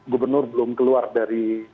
gubernur belum keluar dari